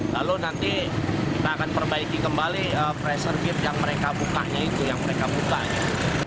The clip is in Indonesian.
lalu nanti kita akan perbaiki kembali pressure kit yang mereka bukanya itu yang mereka bukanya